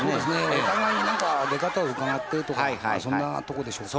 お互い何か出方をうかがってるとかまあそんなとこでしょうか。